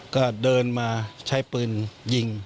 ก็เดินมาใช้ปืนยิง